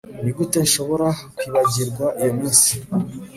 nigute nshobora kwibagirwa iyo minsi